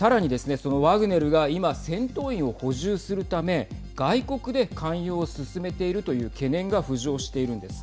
そのワグネルが今、戦闘員を補充するため外国で勧誘を進めているという懸念が浮上しているんです。